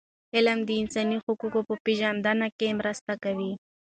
علم د انساني حقونو په پېژندنه کي مرسته کوي.